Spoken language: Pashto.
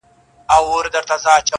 لا په عقل وو تر نورو هم ښاغلی -